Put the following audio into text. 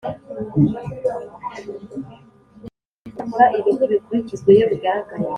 icyakora ibi ntibikurikizwa iyo bigaragaye